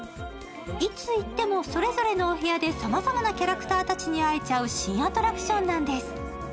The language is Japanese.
いついってもそれぞれのお部屋でさまざまなキャラクターに会えちゃう新アトラクションなんです。